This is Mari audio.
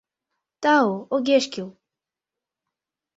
— Тау, огеш кӱл.